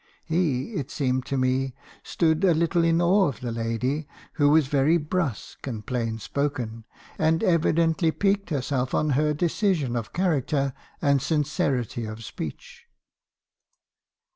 He , it seemed to me, stood a little in awe of the lady, who was very brusque and plain spoken , and evidently piqued herself on her decision of character and sincerity of speech.